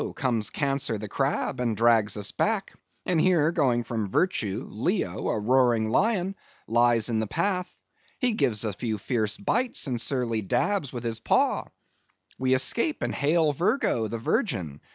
comes Cancer the Crab, and drags us back; and here, going from Virtue, Leo, a roaring Lion, lies in the path—he gives a few fierce bites and surly dabs with his paw; we escape, and hail Virgo, the Virgin!